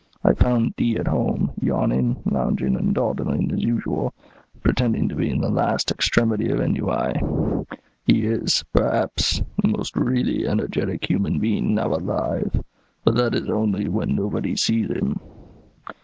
I found D at home, yawning, lounging, and dawdling, as usual, and pretending to be in the last extremity of ennui. He is, perhaps, the most really energetic human being now alive; but that is only when nobody sees him.